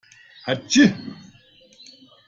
Hatschi!